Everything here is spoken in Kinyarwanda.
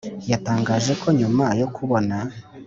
yatangaje ko nyuma yo kubona